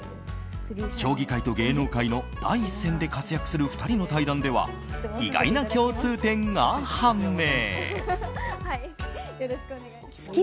将棋界と芸能界の第一線で活躍する２人の対談では意外な共通点が判明。